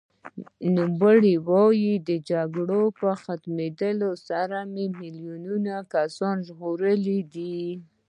نوموړي وویل، د جګړو په ختمولو سره مې میلیونونه کسان ژغورلي دي.